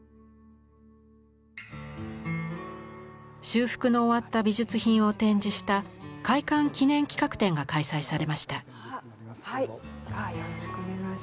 修復の終わった美術品を展示した開館記念企画展が開催されました。